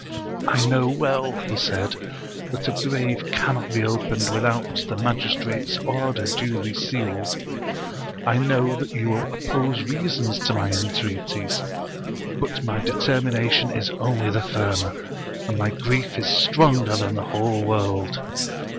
" I know well," he said, " that a grave cannot be opened without the magistrate's order duly sealed; I know that you will oppose reasons to my entreaties; but my determination is only the firmer, and my grief is stronger than the whole world.